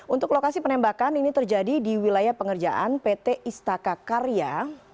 untuk lokasi penembakan ini terjadi di wilayah pengerjaan pt istaka karya